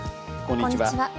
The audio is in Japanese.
こんにちは。